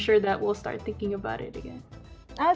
saya yakin kami akan mulai berpikir tentangnya lagi